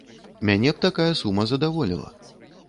Мяне б такая сума задаволіла.